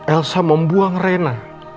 elsa membuang rena